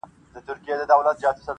• او سمدستي مي څو عکسونه واخیستل -